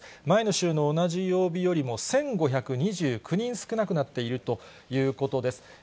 前の週の同じ曜日よりも１５２９人少なくなっているということです。